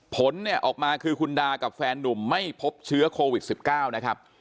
ผลเนี่ยออกมาคือคุณดากับแฟนนุ่มไม่พบเชื้อโควิด๑๙นะครับ